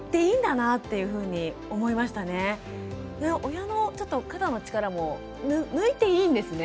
親のちょっと肩の力も抜いていいんですね。